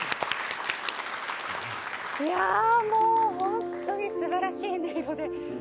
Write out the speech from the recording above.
もう、本当に素晴らしい音色で。